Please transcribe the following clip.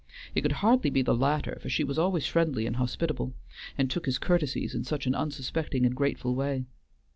It could hardly be the latter, for she was always friendly and hospitable, and took his courtesies in such an unsuspecting and grateful way.